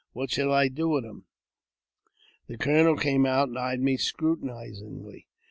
What shall I do with him ?" The colonel came out, and eyed me scrutinizingly.